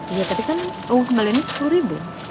iya tapi kan wong kembaliannya sepuluh ribu